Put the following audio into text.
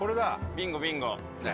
ビンゴビンゴ！